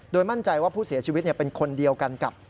มั่นใจว่าผู้เสียชีวิตเป็นคนเดียวกันกับ